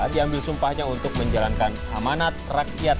diambil sumpahnya untuk menjalankan amanat rakyat